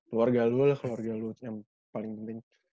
keluarga lu lah keluarga lu yang paling penting